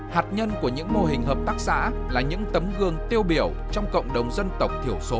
hạt nhân của những mô hình hợp tác xã là những tấm gương tiêu biểu trong cộng đồng dân tộc thiểu số